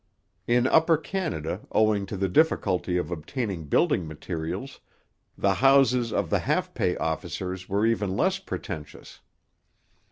In Upper Canada, owing to the difficulty of obtaining building materials, the houses of the half pay officers were even less pretentious.